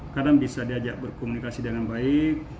kadang bisa diajak berkomunikasi dengan baik